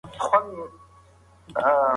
تلويزيون بايد معياري پښتو خپره کړي.